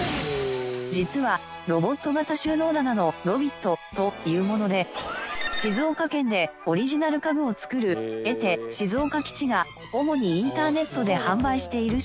実はロボット型収納棚のロビットというもので静岡県でオリジナル家具を作るえて静岡基地が主にインターネットで販売している商品。